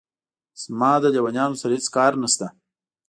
زما له لېونیانو سره هېڅ کار نشته.